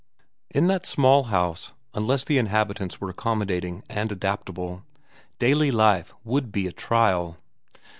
In that small house, unless the inhabitants were accommodating and adaptable, daily life would be a trial.